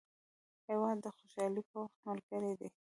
هېواد د خوشحالۍ په وخت ملګری دی.